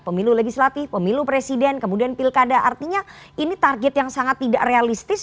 pemilu legislatif pemilu presiden kemudian pilkada artinya ini target yang sangat tidak realistis